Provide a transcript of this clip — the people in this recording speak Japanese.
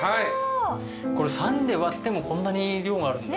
これ３人で割ってもこんなに量があるんだ。